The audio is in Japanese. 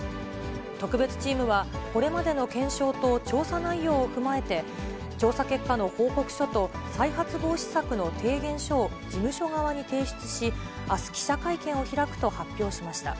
特別チームは、これまでの検証と調査内容を踏まえて、調査結果の報告書と再発防止策の提言書を事務所側に提出し、あす、記者会見を開くと発表しました。